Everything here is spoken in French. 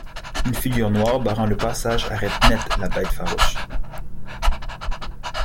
Une figure noire barrant le passage arrête net la bête farouche.